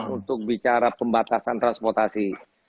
untuk bicara pembatasan transportasi